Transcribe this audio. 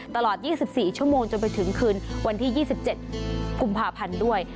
ตลอด๒๔ชั่วโมงจนไปถึงคืนวันที่๒๗กุมภาพันธ์ด้วย